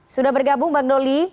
sudah bergabung bang doli